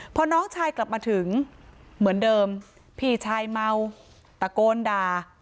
พอน้องชายกลับมาถึงเหมือนเดิมพี่ชายเมาตะโกนด่า